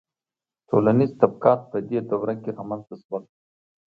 • ټولنیز طبقات په دې دوره کې رامنځته شول.